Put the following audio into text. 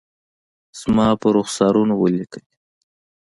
زما پر رخسارونو ولیکلي